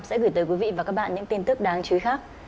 sẽ gửi tới quý vị và các bạn những tin tức đáng chú ý khác